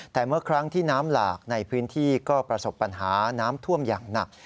แต่เมื่อครั้งที่น้ำหลากในพื้นที่ก็ประสบปัญหาน้ำท่วมอย่างหนัก